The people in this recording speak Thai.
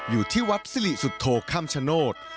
อยู่ที่วัดสิริสุทธโธคำชโนธ